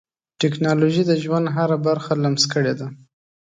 ټکنالوجي د ژوند هره برخه لمس کړې ده.